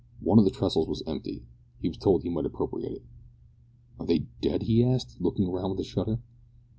One of the trestles was empty. He was told he might appropriate it. "Are they dead?" he asked, looking round with a shudder.